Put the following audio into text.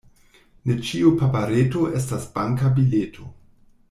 Ne ĉiu papereto estas banka bileto.